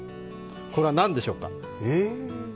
これは何でしょうか？